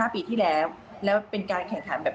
ปีที่แล้วแล้วเป็นการแข่งขันแบบ